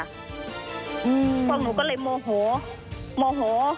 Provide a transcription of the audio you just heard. พวกหนูก็เลยโมโหโมโห